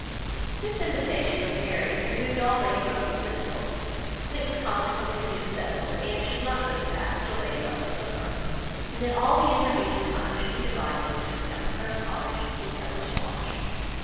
This invitation of Mary's removed all Lady Russell's difficulties, and it was consequently soon settled that Anne should not go to Bath till Lady Russell took her, and that all the intervening time should be divided between Uppercross Cottage and Kellynch Lodge.